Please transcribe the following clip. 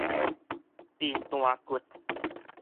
貧惰骨